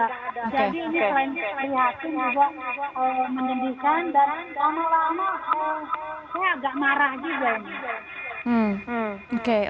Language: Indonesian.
jadi ini selain terlihat juga mendidihkan dan lama lama saya agak marah juga